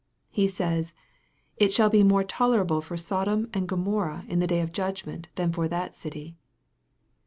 He says, " it shall be more tolerable for Sodom and Gomorrha in the day of judgment than for that city."